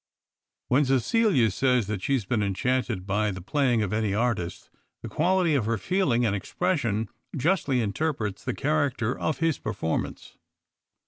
When Cecilia says that she has been enchanted by the playing of any artist, the quality of her feeling and expression justly interprets the character of his performance.